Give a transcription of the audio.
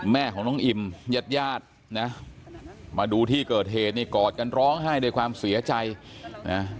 แม่ของน้องอิ่มญาติญาตินะมาดูที่เกิดเหตุนี่กอดกันร้องไห้ด้วยความเสียใจนะ